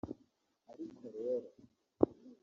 Ariko rero